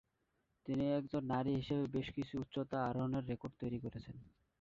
তিনি একজন নারী হিসেবে বেশ কিছু উচ্চতা আরোহণের রেকর্ড তৈরি করেছেন।